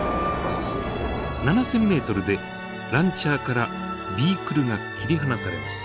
７，０００ｍでランチャーからビークルが切り離されます。